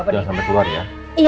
jangan sampai keluar ya